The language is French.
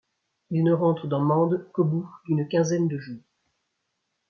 Il ne rentre dans Mende qu'au bout d'une quinzaine de jours.